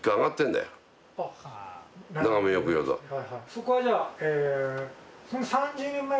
そこはじゃあ。